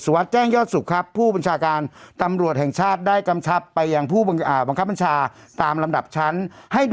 สวัสดิ์แจ้งยอดสุขครับผู้บัญชาการตำรวจแห่งชาติได้